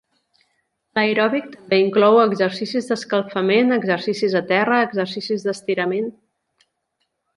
L'aeròbic també inclou exercicis d'escalfament, exercicis a terra, exercicis d'estirament.